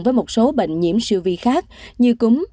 với một số bệnh nhiễm siêu vi khác như cúng